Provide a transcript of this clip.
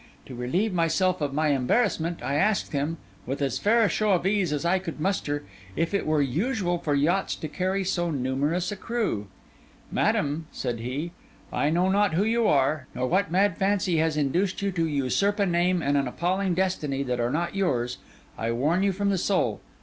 To relieve myself of my embarrassment, I asked him, with as fair a show of ease as I could muster, if it were usual for yachts to carry so numerous a crew? 'Madam,' said he, 'I know not who you are, nor what mad fancy has induced you to usurp a name and an appalling destiny that are not yours. I warn you from the soul.